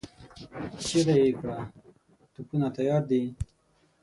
چيغه يې کړه! توپونه تيار دي؟